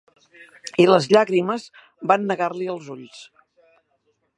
I les llàgrimes van negar-li els ulls.